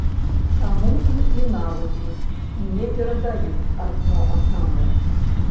Таму і навыкі не перадаюць адно аднаму.